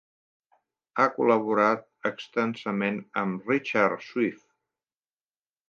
Ha col·laborat extensament amb Richard Swift.